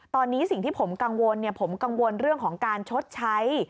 ตอนนี้สิ่งที่ผมกังวลผมกังวลเรื่องของการชดใช้